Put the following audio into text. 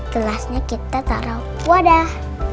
gelasnya kita taruh wadah